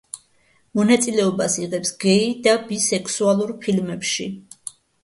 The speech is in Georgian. მონაწილეობას იღებს გეი და ბისექსუალურ ფილმებში.